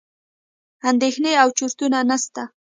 اندېښنې او چورتونه نسته.